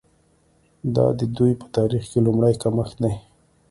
دا د دوی په تاریخ کې لومړی کمښت دی.